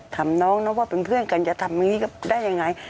ถามน้องนะว่าเป็นเพื่อนกันจะทำอย่างนี้ได้ยังไง